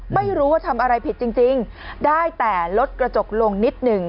ไม่รู้ว่าทำอะไรผิดจริงได้แต่ลดกระจกลงนิดหนึ่ง